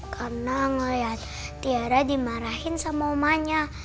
karena melihat tiara dimarahin sama omanya